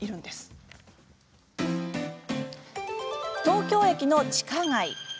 東京駅の地下街。